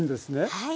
はい。